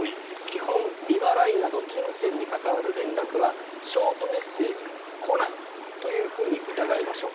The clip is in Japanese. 基本、未払いなど金銭に関わる連絡はショートメッセージには来ないというふうに疑いましょう。